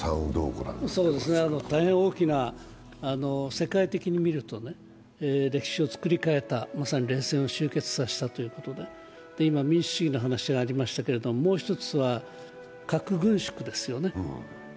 大変大きな世界的に見ると、歴史を作り変えた、まさに冷戦を終結させたということで今、民主主義の話がありましたけどもう一つは核軍縮ですよね。